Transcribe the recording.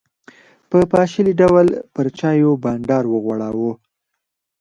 په پاشلي ډول پر چایو بانډار وغوړاوه.